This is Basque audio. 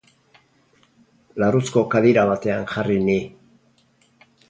Larruzko kadira batean jarri ni.